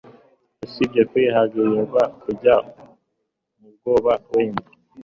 Usibye kwibagirwa kujya mubwoba wenda